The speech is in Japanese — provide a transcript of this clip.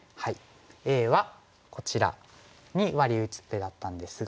Ａはこちらにワリ打つ手だったんですが。